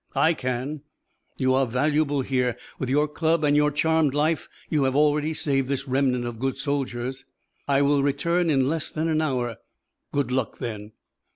"I can." "You are valuable here. With your club and your charmed life, you have already saved this remnant of good soldiers." "I will return in less than an hour." "Good luck, then."